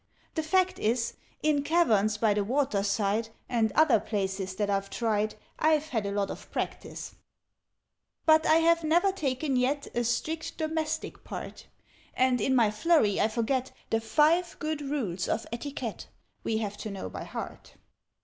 The fact is, In caverns by the water side, And other places that I've tried, I've had a lot of practice: "But I have never taken yet A strict domestic part, And in my flurry I forget The Five Good Rules of Etiquette We have to know by heart."